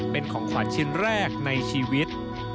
เป็นของขวัญชิ้นแรกในชีวิต